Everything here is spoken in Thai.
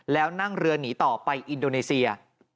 แล้วนั่งเรือหนีต่อไปอินโดนีเซีย